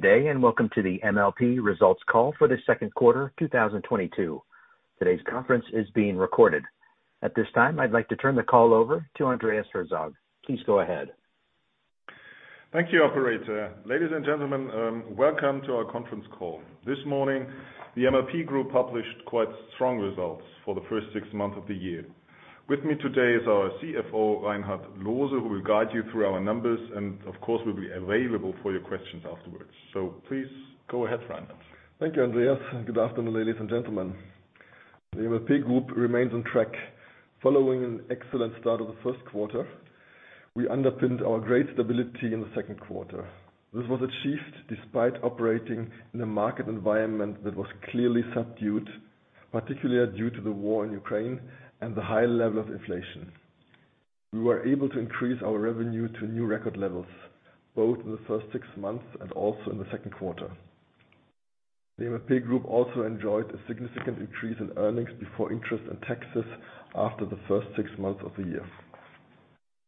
Good day and welcome to the MLP results call for the second quarter 2022. Today's conference is being recorded. At this time, I'd like to turn the call over to Andreas Allar. Please go ahead. Thank you, operator. Ladies and gentlemen, welcome to our conference call. This morning, the MLP Group published quite strong results for the first six months of the year. With me today is our CFO, Reinhard Loose, who will guide you through our numbers, and of course, will be available for your questions afterwards. Please go ahead, Reinhard. Thank you, Andreas, and good afternoon, ladies and gentlemen. The MLP Group remains on track. Following an excellent start of the first quarter, we underpinned our great stability in the second quarter. This was achieved despite operating in a market environment that was clearly subdued, particularly due to the war in Ukraine and the high level of inflation. We were able to increase our revenue to new record levels, both in the first six months and also in the second quarter. The MLP Group also enjoyed a significant increase in earnings before interest and taxes after the first six months of the year.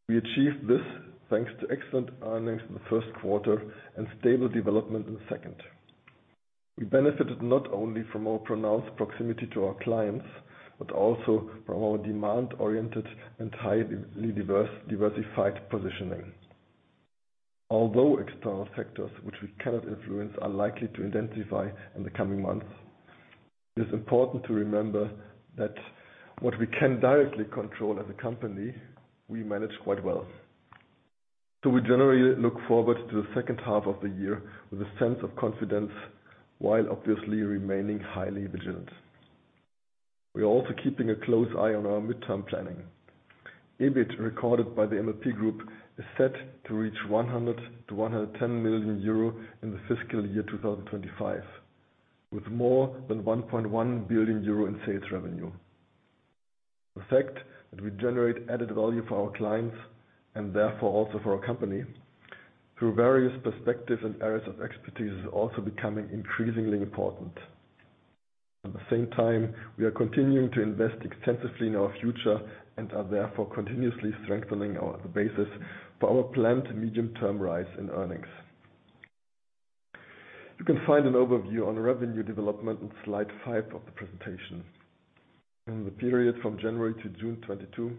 We achieved this thanks to excellent earnings in the first quarter and stable development in the second. We benefited not only from our pronounced proximity to our clients, but also from our demand-oriented and highly diversified positioning. Although external factors, which we cannot influence, are likely to intensify in the coming months, it is important to remember that what we can directly control as a company, we manage quite well. We generally look forward to the second half of the year with a sense of confidence, while obviously remaining highly vigilant. We are also keeping a close eye on our midterm planning. EBIT recorded by the MLP Group is set to reach 100 million-110 million euro in the fiscal year 2025, with more than 1.1 billion euro in sales revenue. The fact that we generate added value for our clients, and therefore also for our company, through various perspectives and areas of expertise, is also becoming increasingly important. At the same time, we are continuing to invest extensively in our future and are therefore continuously strengthening our basis for our planned medium-term rise in earnings. You can find an overview on revenue development in slide 5 of the presentation. In the period from January to June 2022,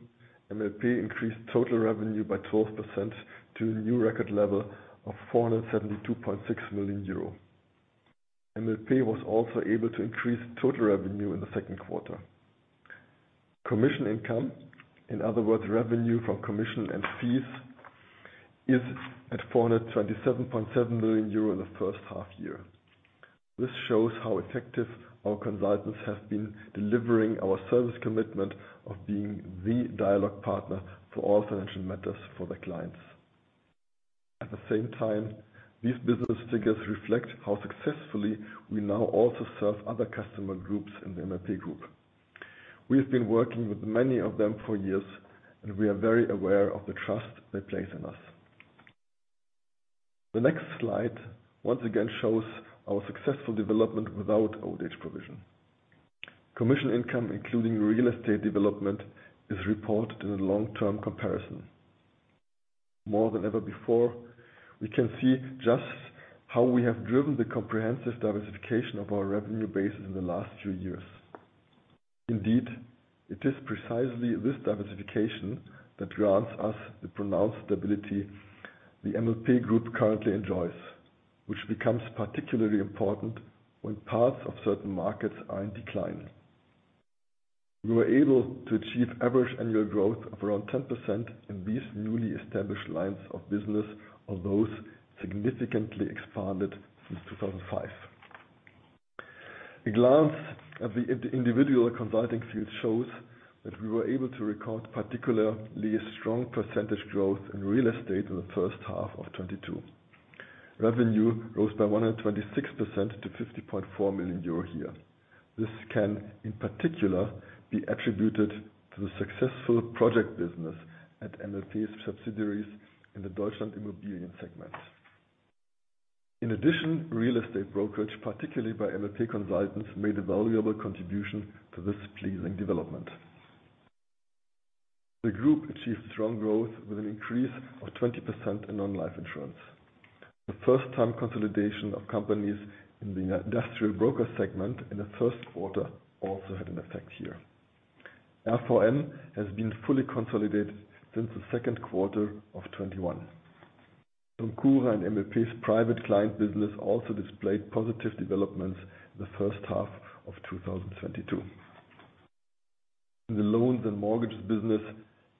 MLP increased total revenue by 12% to a new record level of 472.6 million euro. MLP was also able to increase total revenue in the second quarter. Commission income, in other words, revenue from commission and fees, is at 427.7 million euro in the first half year. This shows how effective our consultants have been delivering our service commitment of being the dialogue partner for all financial matters for the clients. At the same time, these business figures reflect how successfully we now also serve other customer groups in the MLP Group. We have been working with many of them for years, and we are very aware of the trust they place in us. The next slide, once again, shows our successful development without Old-age provision. Commission income, including real estate development, is reported in a long-term comparison. More than ever before, we can see just how we have driven the comprehensive diversification of our revenue base in the last few years. Indeed, it is precisely this diversification that grants us the pronounced stability the MLP Group currently enjoys, which becomes particularly important when parts of certain markets are in decline. We were able to achieve average annual growth of around 10% in these newly established lines of business, of those significantly expanded since 2005. A glance at the individual consulting field shows that we were able to record particularly strong percentage growth in real estate in the first half of 2022. Revenue rose by 126% to 50.4 million euro here. This can, in particular, be attributed to the successful project business at MLP's subsidiaries in the Deutschland.Immobilien segment. In addition, real estate brokerage, particularly by MLP consultants, made a valuable contribution to this pleasing development. The group achieved strong growth with an increase of 20% in non-life insurance. The first time consolidation of companies in the Industrial Broker segment in the first quarter also had an effect here. RVM has been fully consolidated since the second quarter of 2021. DOMCURA and MLP's Private Client business also displayed positive developments in the first half of 2022. In the loans and Mortgages business,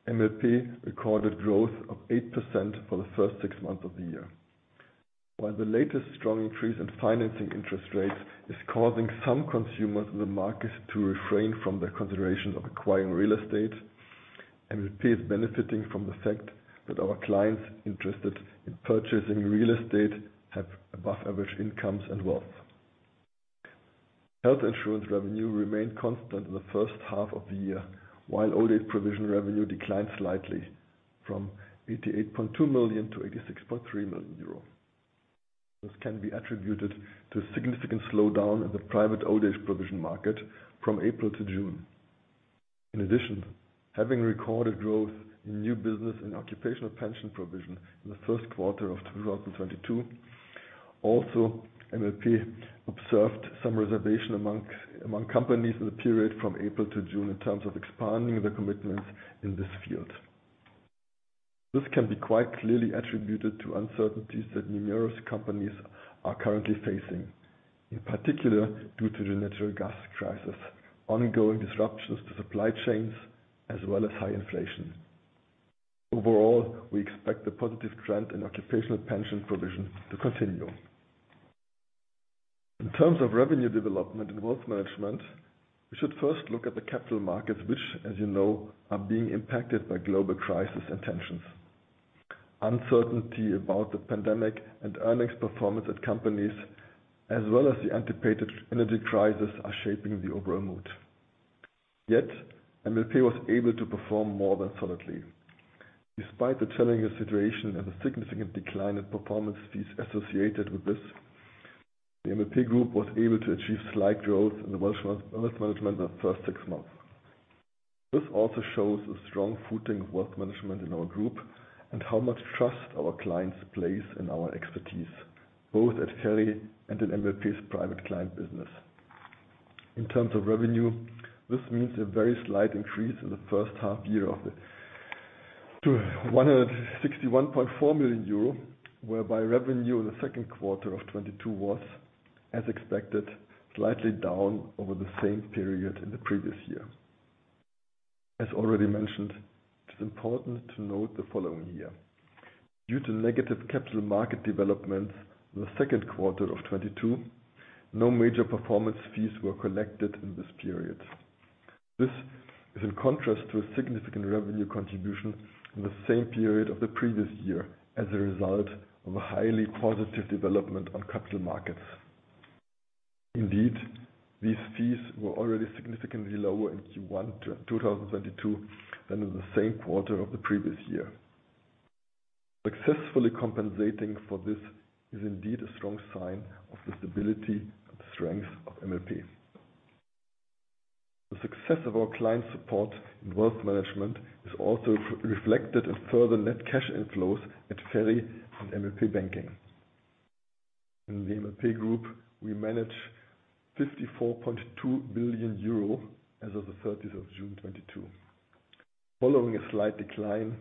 MLP recorded growth of 8% for the first six months of the year. While the latest strong increase in financing interest rates is causing some consumers in the market to refrain from their consideration of acquiring real estate, MLP is benefiting from the fact that our clients interested in purchasing real estate have above average incomes and wealth. Health insurance revenue remained constant in the first half of the year, while Old-age provision revenue declined slightly from 88.2 million to 86.3 million euro. This can be attributed to a significant slowdown in the private Old-age provision market from April to June. In addition, having recorded growth in new business and Occupational pension provision in the first quarter of 2022, also MLP observed some reservation among companies in the period from April to June in terms of expanding their commitments in this field. This can be quite clearly attributed to uncertainties that numerous companies are currently facing, in particular, due to the natural gas crisis, ongoing disruptions to supply chains, as well as high inflation. Overall, we expect the positive trend in Occupational pension provision to continue. In terms of revenue development and Wealth management, we should first look at the capital markets, which, as you know, are being impacted by global crisis and tensions. Uncertainty about the pandemic and earnings performance at companies, as well as the anticipated energy crisis, are shaping the overall mood. Yet, MLP was able to perform more than solidly. Despite the challenging situation and a significant decline in performance fees associated with this, the MLP Group was able to achieve slight growth in the Wealth management in the first six months. This also shows a strong footing Wealth management in our group and how much trust our clients place in our expertise, both at FERI and in MLP's Private Client business. In terms of revenue, this means a very slight increase in the first half year of it to 161.4 million euro, whereby revenue in the second quarter of 2022 was, as expected, slightly down over the same period in the previous year. As already mentioned, it is important to note the following year. Due to negative capital market developments in the second quarter of 2022, no major performance fees were collected in this period. This is in contrast to a significant revenue contribution in the same period of the previous year as a result of a highly positive development on capital markets. Indeed, these fees were already significantly lower in Q1 2022 than in the same quarter of the previous year. Successfully compensating for this is indeed a strong sign of the stability and strength of MLP. The success of our client support in Wealth management is also reflected in further net cash inflows at FERI and MLP Banking. In the MLP Group, we manage 54.2 billion euro as of the 30th of June 2022. Following a slight decline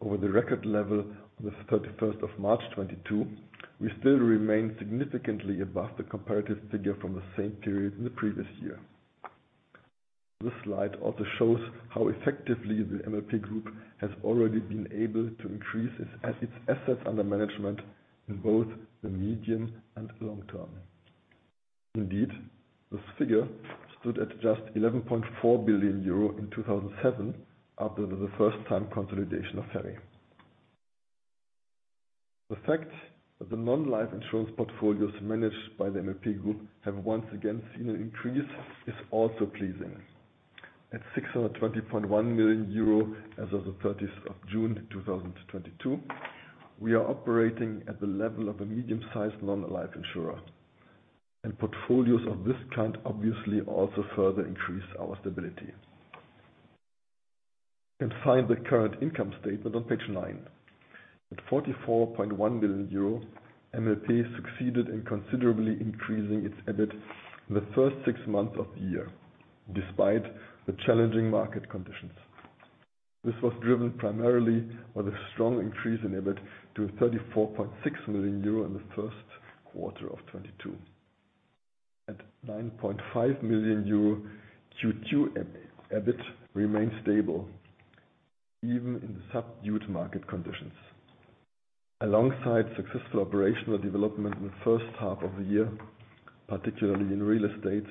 over the record level on the thirty-first of March 2022, we still remain significantly above the comparative figure from the same period in the previous year. This slide also shows how effectively the MLP Group has already been able to increase its assets under management in both the medium and long term. Indeed, this figure stood at just 11.4 billion euro in 2007 after the first time consolidation of FERI. The fact that the non-life insurance portfolios managed by the MLP Group have once again seen an increase is also pleasing. At 620.1 million euro as of the thirtieth of June 2022, we are operating at the level of a medium-sized non-life insurer, and portfolios of this kind obviously also further increase our stability. You can find the current income statement on page nine. At 44.1 billion euro, MLP succeeded in considerably increasing its EBIT in the first six months of the year, despite the challenging market conditions. This was driven primarily by the strong increase in EBIT to 34.6 million euro in the first quarter of 2022. At EUR 9.5 million, Q2 EBIT remains stable even in subdued market conditions. Alongside successful operational development in the first half of the year, particularly in real estate,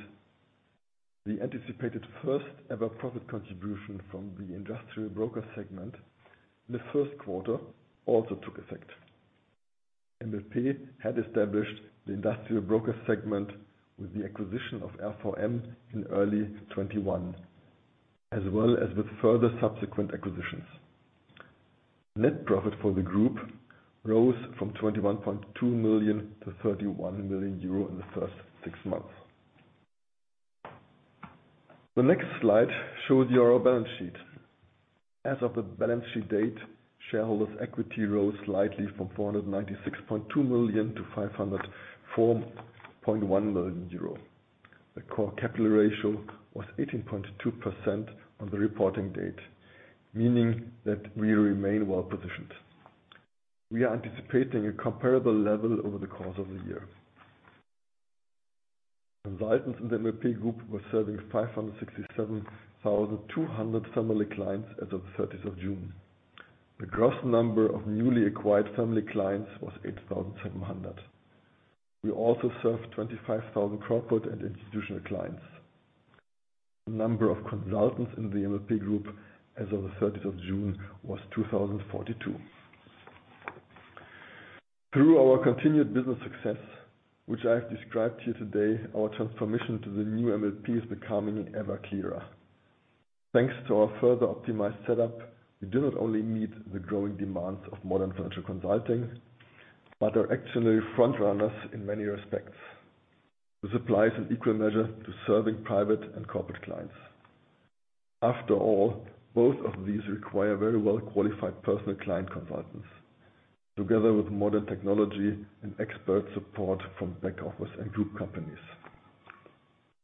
the anticipated first ever profit contribution from the Industrial Broker segment in the first quarter also took effect. MLP had established the Industrial Broker segment with the acquisition of RVM in early 2021, as well as with further subsequent acquisitions. Net profit for the group rose from 21.2 million to 31 million euro in the first six months. The next slide shows your balance sheet. As of the balance sheet date, shareholders' equity rose slightly from 496.2 million to 504.1 million euro. The core capital ratio was 18.2% on the reporting date, meaning that we remain well-positioned. We are anticipating a comparable level over the course of the year. Consultants in the MLP Group were serving 567,200 family clients as of thirtieth of June. The gross number of newly acquired family clients was 8,700. We also served 25,000 corporate and institutional clients. The number of consultants in the MLP Group as of the thirtieth of June was 2,042. Through our continued business success, which I have described to you today, our transformation to the new MLP is becoming ever clearer. Thanks to our further optimized setup, we do not only meet the growing demands of modern financial consulting, but are actually front runners in many respects. This applies in equal measure to serving private and corporate clients. After all, both of these require very well-qualified personal client consultants. Together with modern technology and expert support from back office and group companies.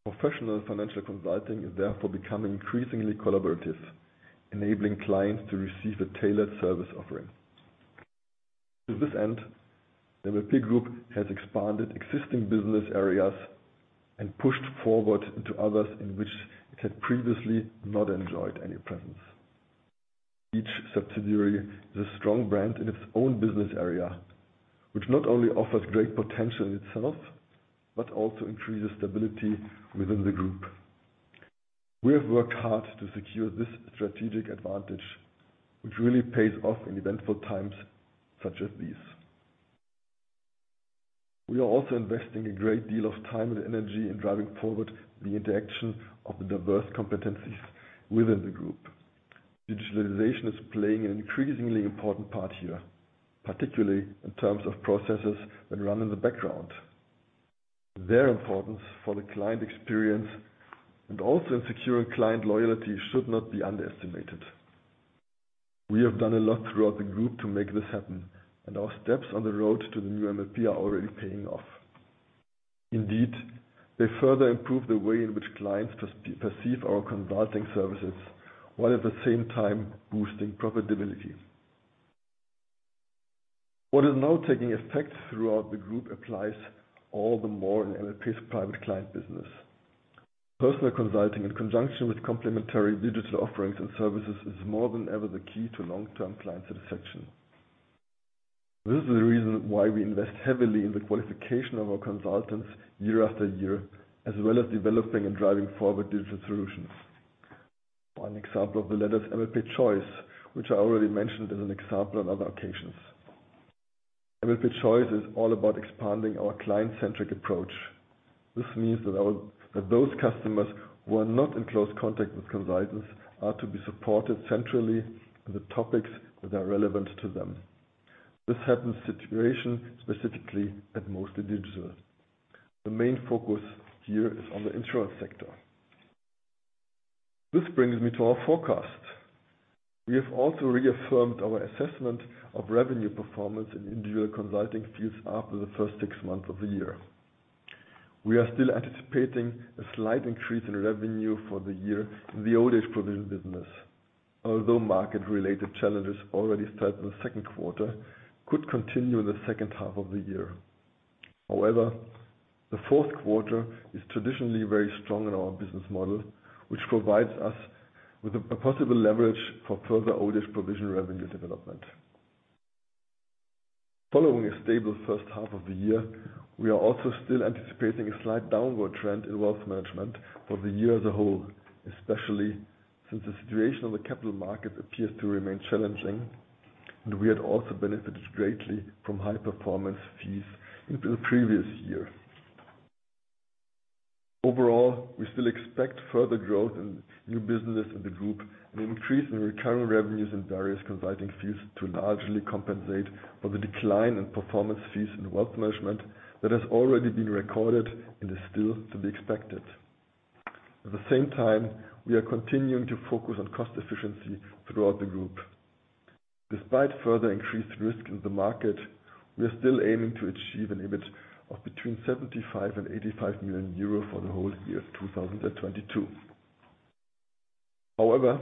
Professional financial consulting is therefore becoming increasingly collaborative, enabling clients to receive a tailored service offering. To this end, the MLP Group has expanded existing business areas and pushed forward into others in which it had previously not enjoyed any presence. Each subsidiary is a strong brand in its own business area, which not only offers great potential in itself, but also increases stability within the group. We have worked hard to secure this strategic advantage, which really pays off in eventful times such as these. We are also investing a great deal of time and energy in driving forward the interaction of the diverse competencies within the group. Digitalization is playing an increasingly important part here, particularly in terms of processes that run in the background. Their importance for the client experience and also in securing client loyalty should not be underestimated. We have done a lot throughout the group to make this happen, and our steps on the road to the new MLP are already paying off. Indeed, they further improve the way in which clients perceive our consulting services, while at the same time boosting profitability. What is now taking effect throughout the group applies all the more in MLP's Private Client business. Personal consulting in conjunction with complementary digital offerings and services is more than ever the key to long-term client satisfaction. This is the reason why we invest heavily in the qualification of our consultants year after year, as well as developing and driving forward digital solutions. One example of the latter is MLP Choice, which I already mentioned as an example on other occasions. MLP Choice is all about expanding our client-centric approach. This means that those customers who are not in close contact with consultants are to be supported centrally on the topics that are relevant to them. This happens situation specifically and mostly digital. The main focus here is on the insurance sector. This brings me to our forecast. We have also reaffirmed our assessment of revenue performance in individual consulting fields after the first six months of the year. We are still anticipating a slight increase in revenue for the year in the Old-age provision business, although market-related challenges already started in the second quarter could continue in the second half of the year. However, the fourth quarter is traditionally very strong in our business model, which provides us with a possible leverage for further Old-age provision revenue development. Following a stable first half of the year, we are also still anticipating a slight downward trend in Wealth management for the year as a whole, especially since the situation of the capital markets appears to remain challenging, and we had also benefited greatly from high performance fees into the previous year. Overall, we still expect further growth in new business in the group and an increase in recurring revenues in various consulting fees to largely compensate for the decline in performance fees in Wealth management that has already been recorded and is still to be expected. At the same time, we are continuing to focus on cost efficiency throughout the group. Despite further increased risk in the market, we are still aiming to achieve an EBIT of between 75 million and 85 million euro for the whole year of 2022. However,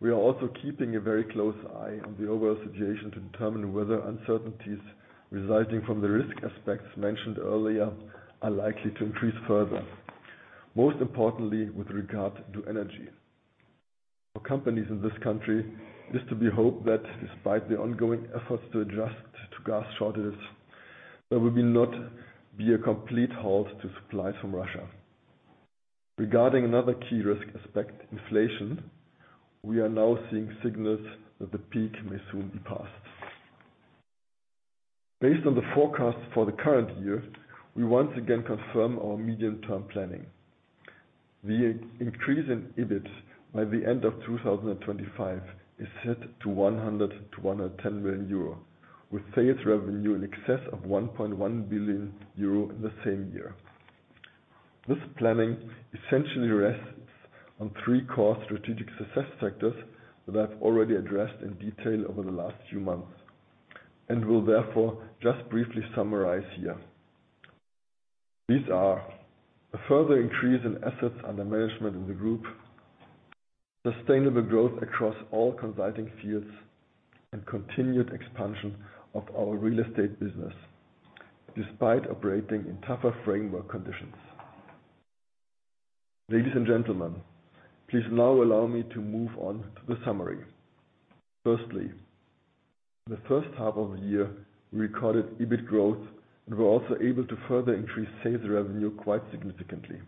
we are also keeping a very close eye on the overall situation to determine whether uncertainties resulting from the risk aspects mentioned earlier are likely to increase further, most importantly with regard to energy. For companies in this country is to be hoped that despite the ongoing efforts to adjust to gas shortages, there will not be a complete halt to supply from Russia. Regarding another key risk aspect, inflation, we are now seeing signals that the peak may soon be passed. Based on the forecast for the current year, we once again confirm our medium-term planning. The increase in EBIT by the end of 2025 is set to 100 million-110 million euro, with sales revenue in excess of 1.1 billion euro in the same year. This planning essentially rests on three core strategic success factors that I've already addressed in detail over the last few months and will therefore just briefly summarize here. These are a further increase in Assets Under Management in the group, sustainable growth across all consulting fields, and continued expansion of our real estate business despite operating in tougher framework conditions. Ladies and gentlemen, please now allow me to move on to the summary. Firstly, the first half of the year, we recorded EBIT growth and were also able to further increase sales revenue quite significantly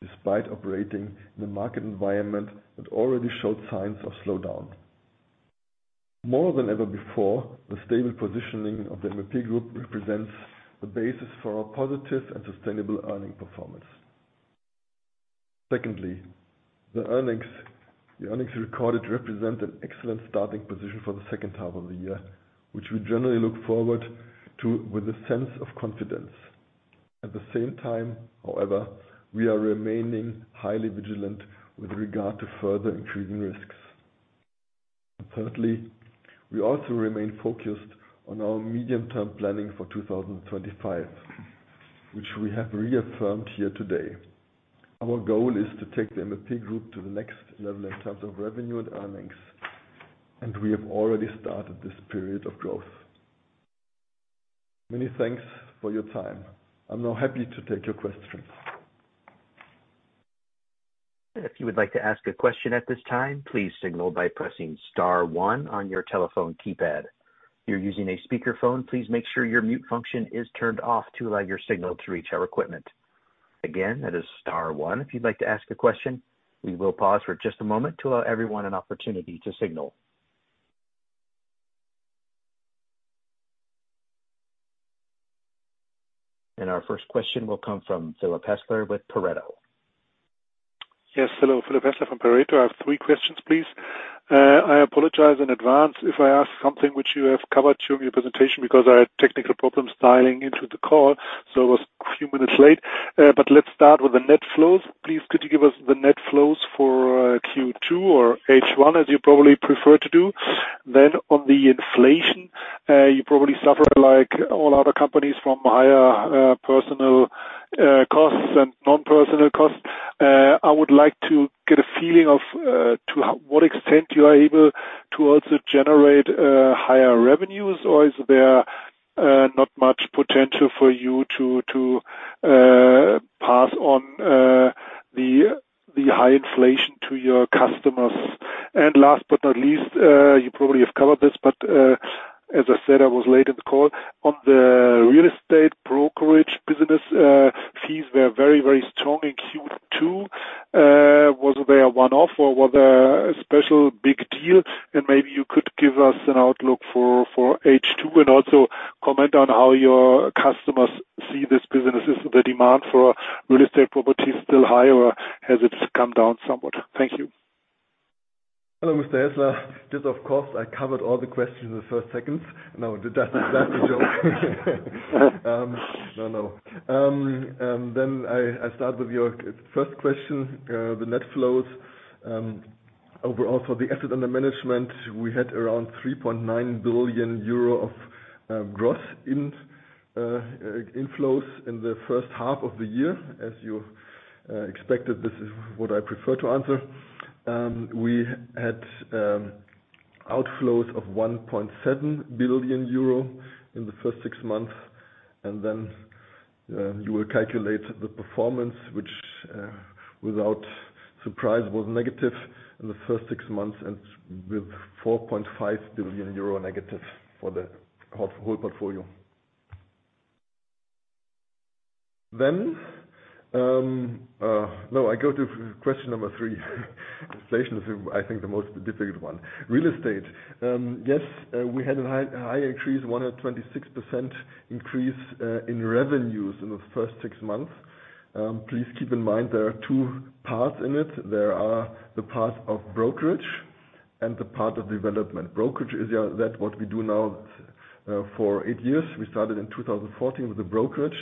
despite operating in a market environment that already showed signs of slowdown. More than ever before, the stable positioning of the MLP Group represents the basis for our positive and sustainable earnings performance. Secondly, the earnings recorded represent an excellent starting position for the second half of the year, which we generally look forward to with a sense of confidence. At the same time, however, we are remaining highly vigilant with regard to further increasing risks. Thirdly, we also remain focused on our medium-term planning for 2025, which we have reaffirmed here today. Our goal is to take the MLP Group to the next level in terms of revenue and earnings, and we have already started this period of growth. Many thanks for your time. I'm now happy to take your questions. If you would like to ask a question at this time, please signal by pressing star one on your telephone keypad. If you're using a speaker phone, please make sure your mute function is turned off to allow your signal to reach our equipment. Again, that is star one if you'd like to ask a question. We will pause for just a moment to allow everyone an opportunity to signal. Our first question will come from Philipp Hässler with Pareto. Yes. Hello, Philipp Hässler from Pareto. I have three questions, please. I apologize in advance if I ask something which you have covered during your presentation because I had technical problems dialing into the call, so I was a few minutes late. Let's start with the net flows. Please could you give us the net flows for Q2 or H1, as you probably prefer to do? On the inflation, you probably suffer like all other companies from higher personnel costs and non-personnel costs. I would like to get a feeling of to what extent you are able to also generate higher revenues or is there not much potential for you to pass on the high inflation to your customers? Last but not least, you probably have covered this but, as I said, I was late in the call. On the real estate brokerage business, fees were very, very strong in Q2. Was there a one-off or was there a special big deal? Maybe you could give us an outlook for H2 and also comment on how your customers see this business. Is the demand for real estate properties still high, or has it come down somewhat? Thank you. Hello, Mr. Hässler. Just of course, I covered all the questions in the first seconds. No, that's a joke. No, no. I start with your first question, the net flows. Overall for the assets under management, we had around 3.9 billion euro of gross inflows in the first half of the year. As you expected, this is what I prefer to answer. We had outflows of 1.7 billion euro in the first six months. You will calculate the performance, which, without surprise, was negative in the first six months and -4.5 billion euro for the whole portfolio. I go to question number three. Inflation is, I think, the most difficult one. Real estate. Yes, we had a high increase, 126% increase, in revenues in the first six months. Please keep in mind there are two parts in it. There are the part of brokerage and the part of development. Brokerage is that what we do now for eight years. We started in 2014 with the brokerage,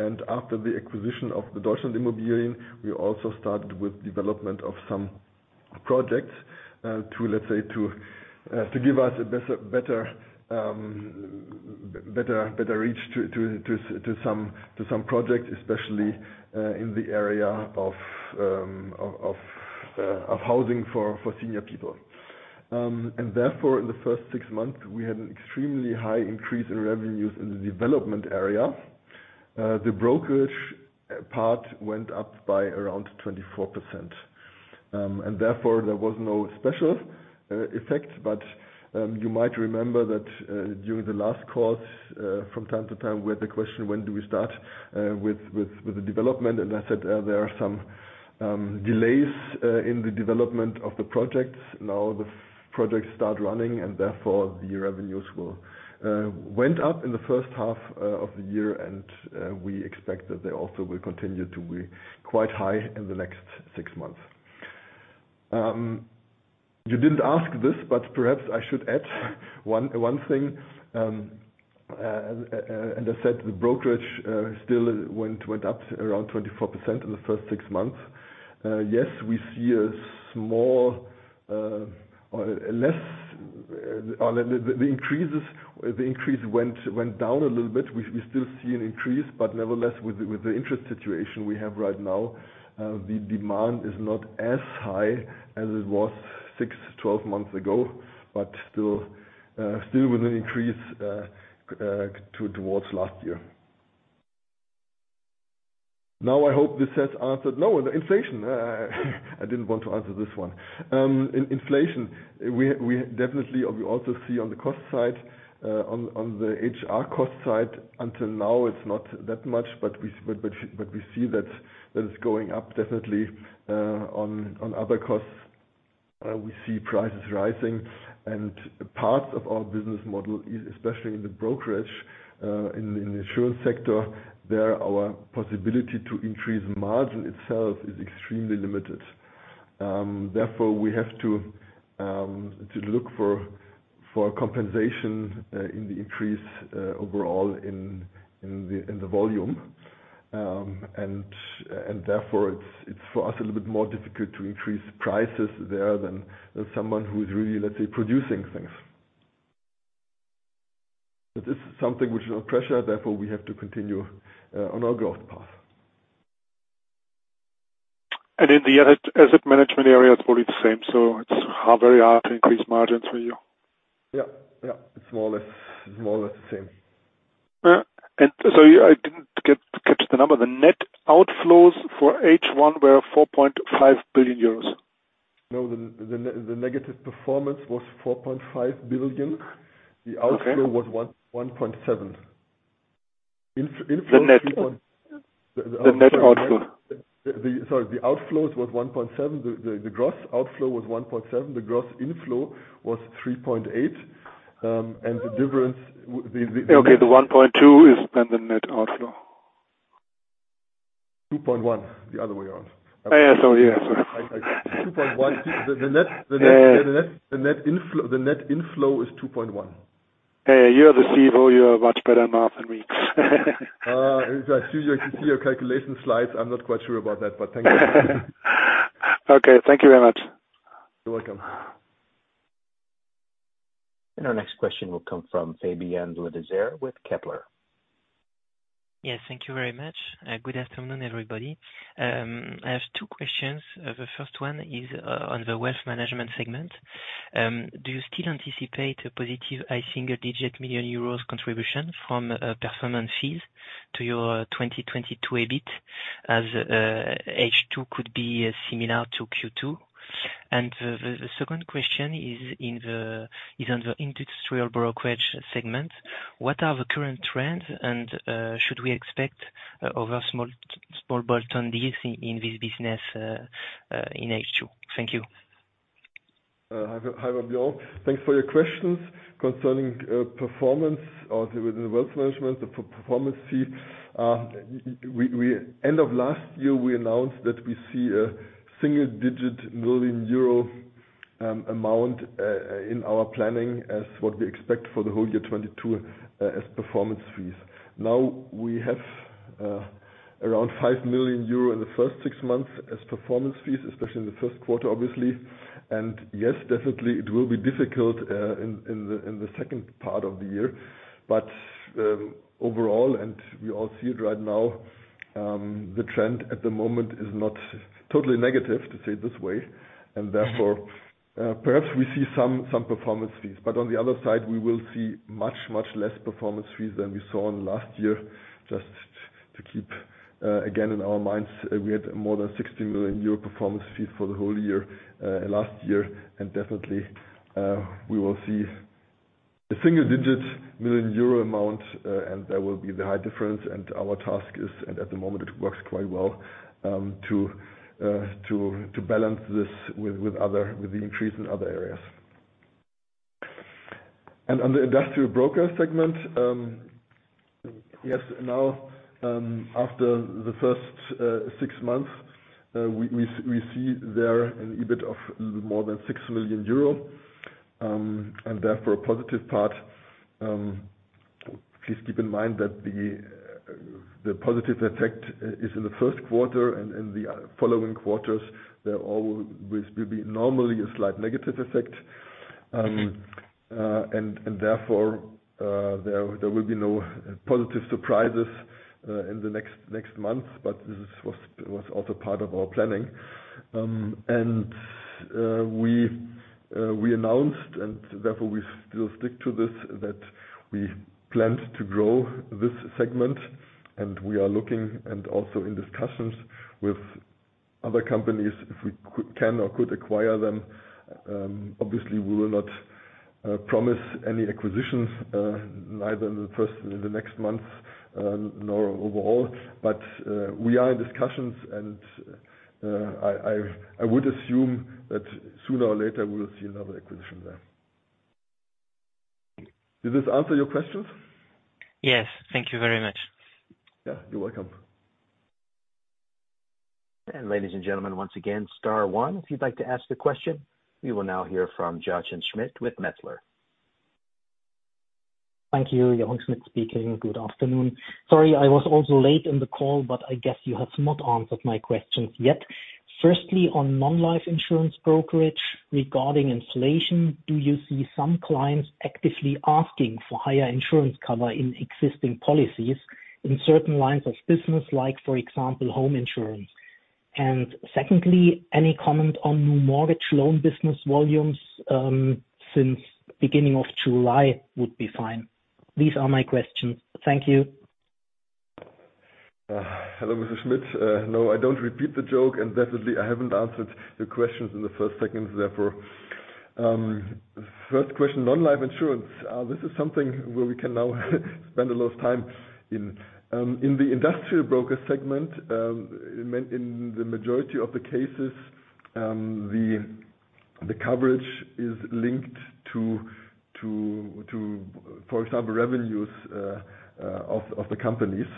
and after the acquisition of Deutschland.Immobilien, we also started with development of some projects, to let's say to give us a better reach to some projects, especially in the area of housing for senior people. Therefore, in the first six months, we had an extremely high increase in revenues in the development area. The brokerage part went up by around 24%. Therefore there was no special effect. You might remember that during the last calls from time to time we had the question, when do we start with the development? I said there are some delays in the development of the projects. Now the projects start running and therefore the revenues went up in the first half of the year and we expect that they also will continue to be quite high in the next six months. You didn't ask this, but perhaps I should add one thing. I said the brokerage still went up around 24% in the first six months. Yes, we see the increase went down a little bit. We still see an increase, but nevertheless with the interest situation we have right now, the demand is not as high as it was 6-12 months ago, but still with an increase towards last year. Now I hope this has answered. No, the inflation. I didn't want to answer this one. In inflation, we definitely also see on the cost side, on the HR cost side, until now it's not that much, but we see that it's going up definitely on other costs. We see prices rising and parts of our business model especially, in the brokerage, in the insurance sector, there our possibility to increase margin itself is extremely limited. Therefore, we have to look for compensation in the increase overall in the volume. Therefore, it's for us a little bit more difficult to increase prices there than someone who is really, let's say, producing things. This is something which is on pressure, therefore, we have to continue on our growth path. In the asset management area, it's probably the same. It's very hard to increase margins for you. Yeah. Yeah. It's more or less, more or less the same. I didn't catch the number. The net outflows for H1 were 4.5 billion euros. No. The negative performance was 4.5 billion. Okay. The outflow was 1.7. Inflow was EUR 3 point- The net outflow. Sorry. The gross outflow was 1.7. The gross inflow was 3.8. Okay. The 1.2 is then the net outflow. 2.1. The other way around. Yeah. 2.1. The net inflow is 2.1. Hey, you're the CFO. You are much better in math than me. If I see your calculation slides, I'm not quite sure about that, but thank you. Okay. Thank you very much. You're welcome. Our next question will come from Fabian Lüdiger with Kepler. Yes. Thank you very much. Good afternoon, everybody. I have two questions. The first one is on the Wealth management segment. Do you still anticipate a positive high single-digit million EUR contribution from performance fees to your 2022 EBIT as H2 could be similar to Q2? The second question is on the Industrial Broker segment. What are the current trends and should we expect other small bolt-on deals in this business in H2? Thank you. Hi, Fabian. Thanks for your questions. Concerning performance within the Wealth management, the performance fee. End of last year, we announced that we see a single-digit million EUR amount in our planning as what we expect for the whole year 2022 as performance fees. Now we have around 5 million euro in the first six months as performance fees, especially in the first quarter, obviously. Yes, definitely it will be difficult in the second part of the year. Overall, we all see it right now, the trend at the moment is not totally negative, to say it this way. Therefore, perhaps we see some performance fees. On the other side, we will see much less performance fees than we saw in last year. Just to keep again in our minds, we had more than 60 million euro performance fee for the whole year last year. Definitely, we will see a single-digit million EUR amount, and that will be the huge difference. Our task is, and at the moment it works quite well, to balance this with the increase in other areas. On the Industrial Broker segment, yes, now, after the first six months, we see there an EBIT of more than 6 million euro. Therefore a positive part. Please keep in mind that the positive effect is in the first quarter and in the following quarters there will be normally a slight negative effect. Therefore, there will be no positive surprises in the next months. This was also part of our planning. We announced and therefore we still stick to this, that we plan to grow this segment. We are looking and also in discussions with other companies, if we can or could acquire them. Obviously we will not promise any acquisitions, neither in the next months, nor overall. We are in discussions and I would assume that sooner or later we will see another acquisition there. Did this answer your questions? Yes. Thank you very much. Yeah, you're welcome. Ladies and gentlemen, once again, star one if you'd like to ask a question. We will now hear from Jochen Schmitt with Metzler. Thank you. Jochen Schmitt speaking. Good afternoon. Sorry, I was also late in the call, but I guess you have not answered my questions yet. Firstly, on Non-Life Insurance brokerage regarding inflation, do you see some clients actively asking for higher insurance cover in existing policies in certain lines of business, like for example, home insurance? And secondly, any comment on new Mortgage loan business volumes, since beginning of July would be fine. These are my questions. Thank you. Hello, Mr. Schmitt. No, I don't repeat the joke and definitely I haven't answered the questions in the first seconds, therefore. First question, non-life insurance. This is something where we can now spend a lot of time in. In the Industrial Broker segment, in the majority of the cases, the coverage is linked to, for example, revenues of the companies.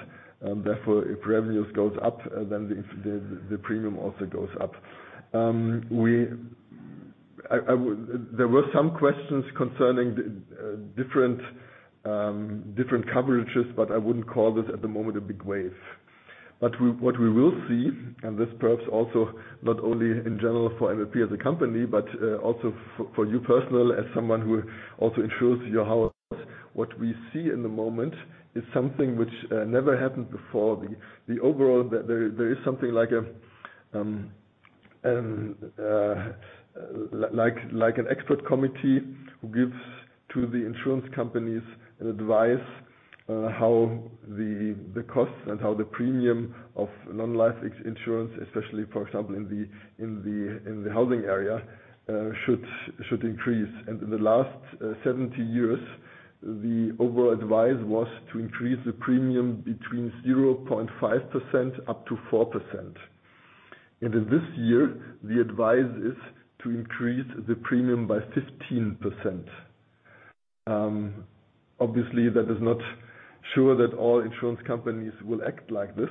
And therefore, if revenues goes up, then the premium also goes up. There were some questions concerning the different coverages, but I wouldn't call this at the moment a big wave. But what we will see, and this perhaps also not only in general for MLP as a company, but also for you personally as someone who also insures your house. What we see at the moment is something which never happened before. The overall there is something like a like an expert committee who gives to the insurance companies an advice how the costs and how the premium of Non-Life Insurance, especially, for example, in the housing area, should increase. In the last 70 years, the overall advice was to increase the premium between 0.5% up to 4%. In this year, the advice is to increase the premium by 15%. Obviously that is not sure that all insurance companies will act like this,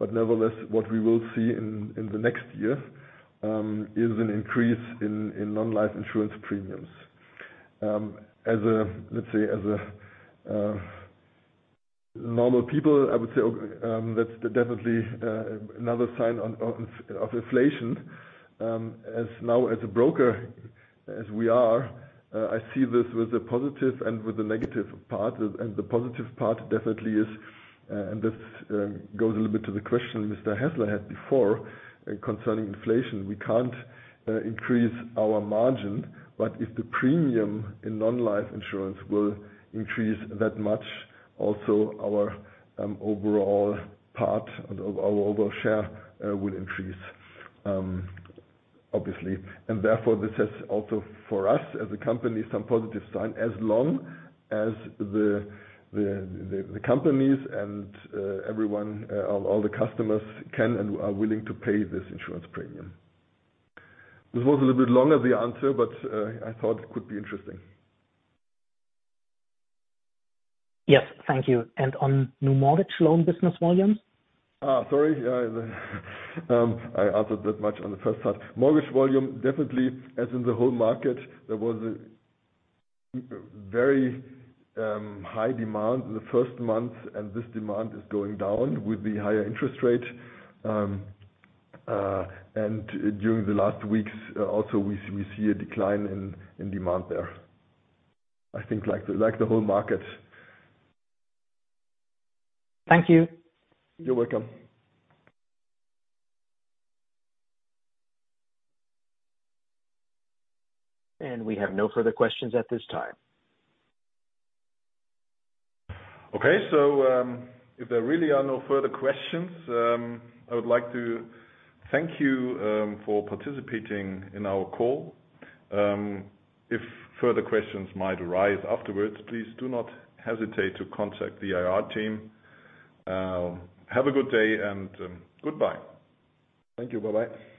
but nevertheless, what we will see in the next year is an increase in Non-Life Insurance premiums. As a, let's say, as a normal people, I would say, that's definitely another sign of inflation. As a broker, as we are, I see this with a positive and with a negative part. The positive part definitely is, and this goes a little bit to the question Mr. Hässler had before, concerning inflation. We can't increase our margin, but if the premium in non-life insurance will increase that much, also our overall part and our overall share will increase, obviously. Therefore, this is also for us as a company, some positive sign as long as the companies and everyone, all the customers can and are willing to pay this insurance premium. This was a little bit longer than the answer, but I thought it could be interesting. Yes, thank you. On new Mortgage loan business volumes? Sorry. Yeah. I answered that much on the first part. Mortgage volume, definitely, as in the whole market, there was a very high demand in the first month, and this demand is going down with the higher interest rate. During the last weeks also we see a decline in demand there. I think like the whole market. Thank you. You're welcome. We have no further questions at this time. If there really are no further questions, I would like to thank you for participating in our call. If further questions might arise afterwards, please do not hesitate to contact the IR team. Have a good day and goodbye. Thank you. Bye-bye.